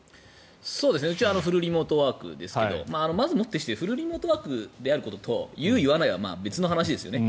うちフルリモートワークですがまずもってしてフルリモートワークであるのと言う言わないは別の話ですよね。